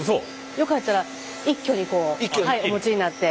よかったら一挙にこうお持ちになって。